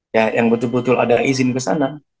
ya yang betul betul ada izin ke sana